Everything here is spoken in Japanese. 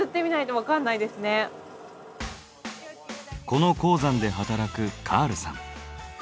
この鉱山で働くカールさん。